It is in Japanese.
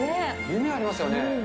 夢ありますよね。